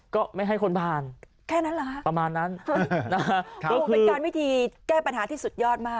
ก็ไม่ให้คนผ่านประมาณนั้นนะฮะคือโอ้โหเป็นการวิธีแก้ปัญหาที่สุดยอดมาก